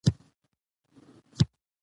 ويم که اغه د پروفيسر په پل لاړ شي.